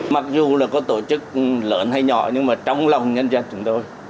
mặc dù là có tổ chức lớn hay nhỏ nhưng mà trong lòng nhân dân chúng tôi